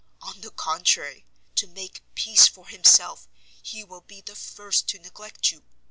On the contrary, to make peace for himself, he will be the first to neglect you.